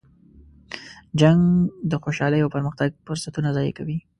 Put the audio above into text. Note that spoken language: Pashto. جنګ د خوشحالۍ او پرمختګ فرصتونه ضایع کوي.